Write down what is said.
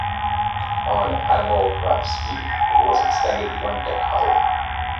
On "Admiral Graf Spee", it was extended one deck higher.